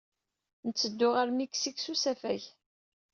Nettedu ɣer Miksik s usafag.